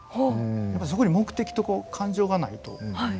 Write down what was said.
そこに目的と感情がないと。